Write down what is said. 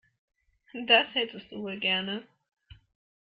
Das hättest du wohl gerne.